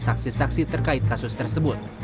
saksi saksi terkait kasus tersebut